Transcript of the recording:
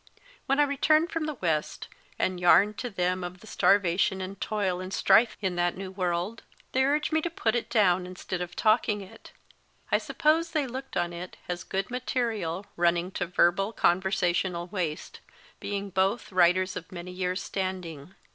When I returned from the West, and yarned to them of starvation and toil and strife in that new world, they urged me to put it down instead of talking it. I suppose they looked on it as good material running to verbal conversational waste, being both writers of many years standing.